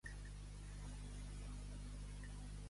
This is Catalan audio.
Tota classe de tavella fes-la amb lluna vella.